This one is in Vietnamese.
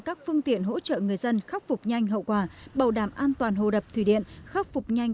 các phương tiện hỗ trợ người dân khắc phục nhanh hậu quả bảo đảm an toàn hồ đập thủy điện khắc phục nhanh